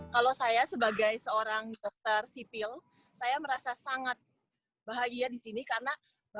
kalau saya sebagai seorang dokter sipil saya merasa sangat bahagia di sini karena